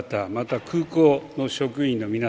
dan pemerintah perangkap jepang